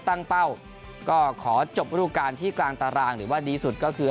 เป้าก็ขอจบรูปการณ์ที่กลางตารางหรือว่าดีสุดก็คือ